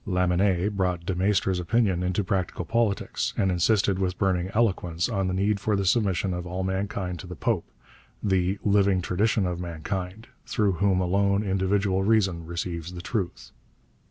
Lamennais brought De Maistre's opinions into practical politics, and insisted with burning eloquence on the need for the submission of all mankind to the Pope, the 'living tradition of mankind,' through whom alone individual reason receives the truth.